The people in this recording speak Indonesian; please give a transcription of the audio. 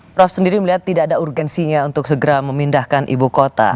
prof sendiri melihat tidak ada urgensinya untuk segera memindahkan ibu kota